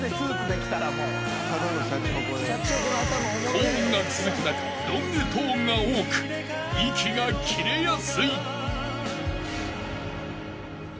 ［高音が続く中ロングトーンが多く息が切れやすい］